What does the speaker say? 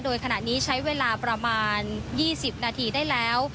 โดยขณะนี้ใช้เวลาประมาณ๒๐นาทีได้แล้ว